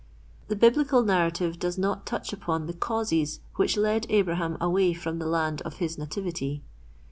The biblical narrative does not touch upon the causes which led Abraham away from the land of his nativity.